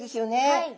はい。